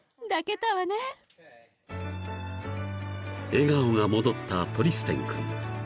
［笑顔が戻ったトリステン君］